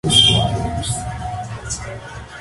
Vivían tranquilos e integrados en la comunidad.